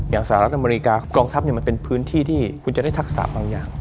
สหรัฐอเมริกากองทัพมันเป็นพื้นที่ที่คุณจะได้ทักษะบางอย่าง